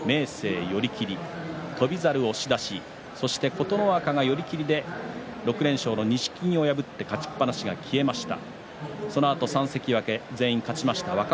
琴ノ若が６連勝の錦木を破って錦木敗れて勝ちっぱなしが消えました。